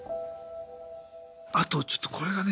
あとちょっとこれがね